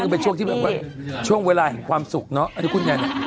ไปเที่ยวหัวหินกันแม่